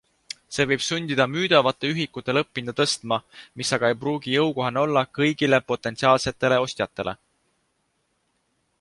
See võib sundida müüdavate ühikute lõpphinda tõstma, mis aga ei pruugi jõukohane olla kõigile potentsiaalsetele ostjatele.